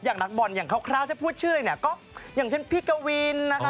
อย่างนักบอลอย่างเคราะห์จะพูดชื่อไรเนี่ยก็อย่างเช่นพี่กวีนนะคะ